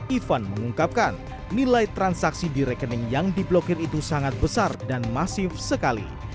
ivan mengungkapkan nilai transaksi di rekening yang diblokir itu sangat besar dan masif sekali